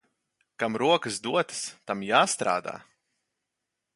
Kam rokas dotas, tam jāstrādā.